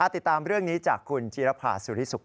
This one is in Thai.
ติดตามเรื่องนี้จากคุณจีรภาสุริสุข